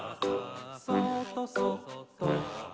「そーっとそっと」